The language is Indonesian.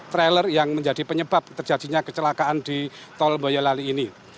trailer yang menjadi penyebab terjadinya kecelakaan di tol boyolali ini